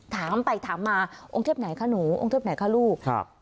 ถามไปถามมาองค์เทพไหนคะหนูองค์เทพไหนคะลูกครับ